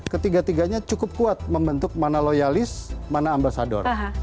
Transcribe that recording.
ketiga tiganya cukup kuat membentuk mana loyalis mana ambasador